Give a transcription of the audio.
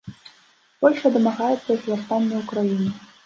Польшча дамагаецца іх вяртання ў краіну.